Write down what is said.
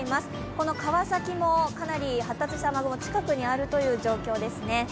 この川崎もかなり発達した雨雲が近くにあるという状況ですね。